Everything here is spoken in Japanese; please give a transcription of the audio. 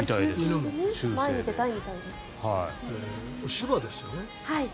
柴ですよね？